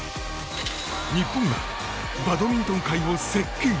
日本がバドミントン界を席巻。